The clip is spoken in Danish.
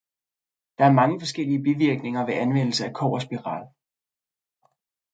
Der er mange forskellige bivirkning ved anvendelse af kobberspiral.